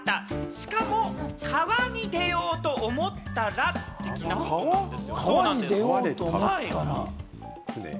しかも、川に出ようと思ったら的なことです。